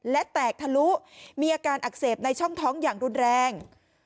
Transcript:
และแตกทะลุมีอาการอักเสบในช่องท้องอย่างรุนแรง